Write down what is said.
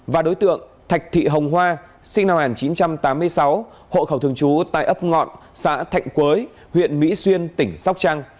và đối tượng thạch thị hồng hoa sinh năm một nghìn chín trăm tám mươi sáu hộ khẩu thường trú tại ấp ngọn xã thạnh quới huyện mỹ xuyên tỉnh sóc trăng